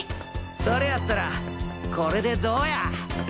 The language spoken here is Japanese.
それやったらこれでどうや！